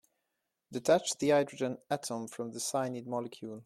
Detach the hydrogen atom from the cyanide molecule.